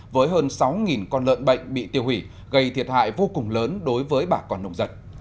với hơn sáu con lợn bệnh bị tiêu hủy gây thiệt hại vô cùng lớn đối với bà con nông dân